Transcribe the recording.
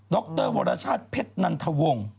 รวรชาติเพชรนันทวงศ์